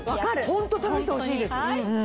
ホント試してほしいです。